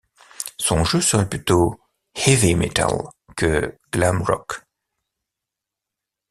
Son jeu serait plutôt heavy metal que glam rock.